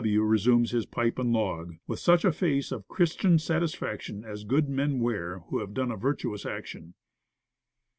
W. resumes his pipe and log, "With such a face of Christian satisfaction, As good men wear, who have done a virtuous action."